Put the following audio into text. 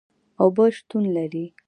اوبه شتون لري